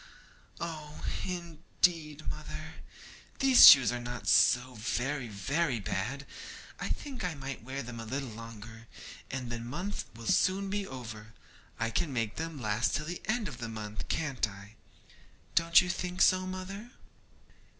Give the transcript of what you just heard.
Oh, indeed, mother, these shoes are not so very very bad! I think I might wear them a little longer, and the month will soon be over. I can make them last till the end of the month, can't I? Don't you think so, mother?'